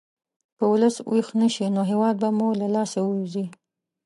که ولس ویښ نه شي، نو هېواد به مو له لاسه ووځي.